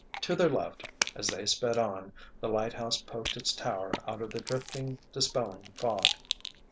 To their left, as they sped on, the lighthouse poked its tower out of the drifting, dispelling fog.